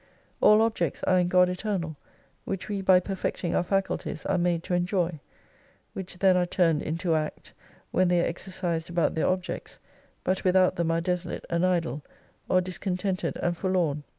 All objects are in God Eternal : which we by perfecting our faculties are made to enjoy. Which then are turned into Act, when they are exercised about their objects; but without them are desolate and idle; or discontented and forlorn.